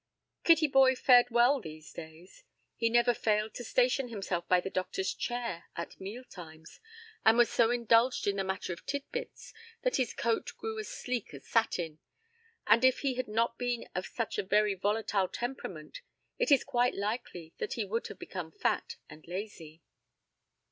Kittyboy fared well these days. He never failed to station himself by the doctor's chair at meal time, and was so indulged in the matter of tid bits that his coat grew as sleek as satin; and if he had not been of such a very volatile temperament, it is quite likely that he would have become fat and lazy.